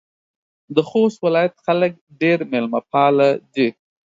د خوست ولایت خلک ډېر میلمه پاله دي.